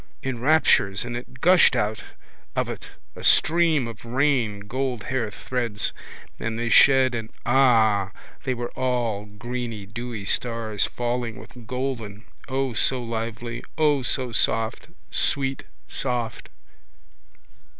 in raptures and it gushed out of it a stream of rain gold hair threads and they shed and ah! they were all greeny dewy stars falling with golden, O so lovely, O, soft, sweet, soft!